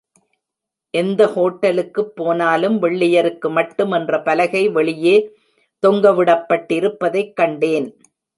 எந்த ஹோட்டலுக்குப் போனாலும் வெள்ளையருக்கு மட்டும் என்ற பலகை வெளியே தொங்க விடப்பட்டிருப்பதைக் கண்டேன்.